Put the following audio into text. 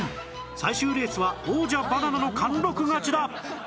最終レースは王者バナナの貫禄勝ちだ